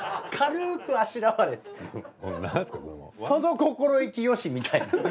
その心意気よしみたいな。